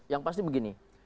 yang pasti begini